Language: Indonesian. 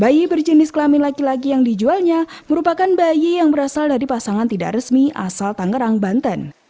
bayi berjenis kelamin laki laki yang dijualnya merupakan bayi yang berasal dari pasangan tidak resmi asal tangerang banten